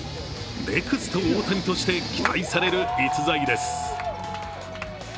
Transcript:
ネクスト大谷として期待される逸材です。